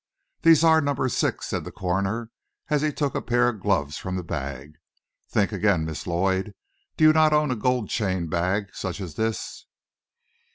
"These are number six," said the coroner, as he took a pair of gloves from the bag. "Think again, Miss Lloyd. Do you not own a gold chain bag, such as this?"